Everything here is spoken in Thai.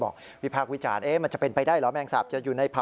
นึกว่าแถมกุ้งมาฆ่า